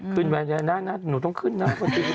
ขึ้นไว้นะหนูต้องขึ้นนะ